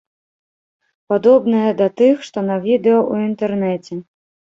Падобныя да тых, што на відэа ў інтэрнэце.